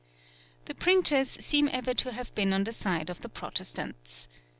The printers seem ever to have been on the side of the Protestants.